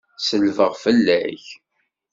Selbeɣ fell-ak.